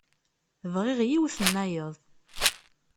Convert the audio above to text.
Bɣiɣ yiwet-nnayeḍ.